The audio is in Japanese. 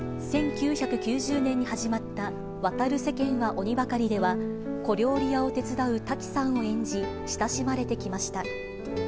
１９９０年に始まった渡る世間は鬼ばかりでは、小料理屋を手伝うタキさんを演じ、親しまれてきました。